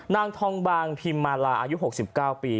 นางทองบางพิมมาลาอายุ๖๙ปี